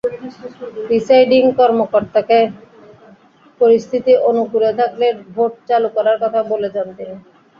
Presiding কর্মকর্তাকে পরিস্থিতি অনুকূলে থাকলে ভোট চালু করার কথা বলে যান তিনি।